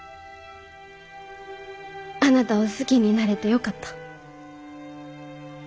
あなたを好きになれてよかった。